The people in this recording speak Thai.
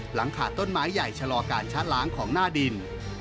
หลังขาดต้นไม้ใหญ่ชะลอการชาร์จล้างของหน้าดิน